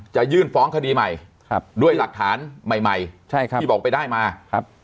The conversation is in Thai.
จะยื่นฟ้องคดีใหม่ด้วยหลักฐานใหม่ที่บอกไปได้มา